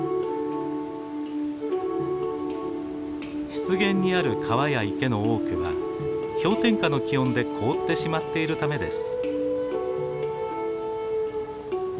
湿原にある川や池の多くは氷点下の気温で凍ってしまっているためです。